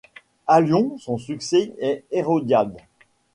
À Lyon, son succès est Hérodiade.